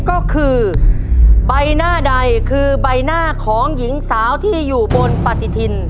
ก็คือใบหน้าใดคือใบหน้าของหญิงสาวที่อยู่บนปฏิทิน